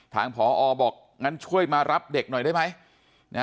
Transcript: ผอบอกงั้นช่วยมารับเด็กหน่อยได้ไหม